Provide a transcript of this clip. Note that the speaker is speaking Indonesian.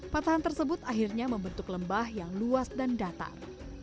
patahan tersebut akhirnya membentuk lembah yang luas dan datar